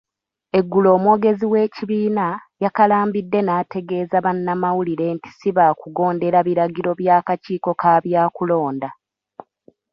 Eggulo omwogezi w'ekibiina, yakalambidde n'ategeeza bannamawulire nti sibaakugondera biragiro bya kakiiko ka byakulonda.